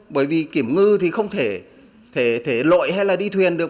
bởi vì kiểm ngư thì không thể thể lội hay là đi thuyền được